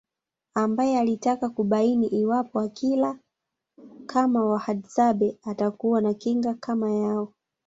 Ambae alitaka kubaini iwapo akila kama Wahadzabe atakuwa na kinga kama yao